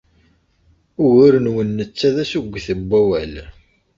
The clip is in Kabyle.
Ugur-nwen netta d assugget n wawal.